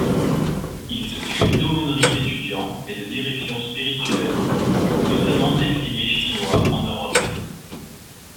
Il s'occupe d'aumôneries d'étudiants et de direction spirituelle, notamment d'exilés chinois en Europe.